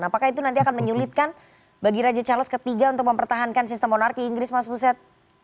apakah itu nanti akan menyulitkan bagi raja charles iii untuk mempertahankan sistem monarki inggris mas buset